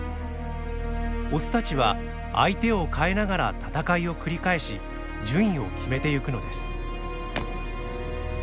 オスたちは相手を変えながら闘いを繰り返し順位を決めてゆくのです。